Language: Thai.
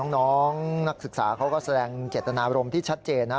น้องนักศึกษาเขาก็แสดงเจตนารมณ์ที่ชัดเจนนะ